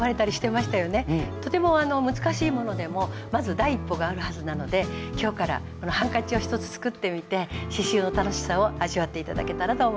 とても難しいものでもまず第一歩があるはずなので今日からこのハンカチを一つ作ってみて刺しゅうの楽しさを味わって頂けたらと思います。